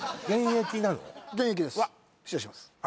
現役です失礼します